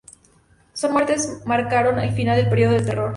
Sus muertes marcaron el final del periodo del Terror.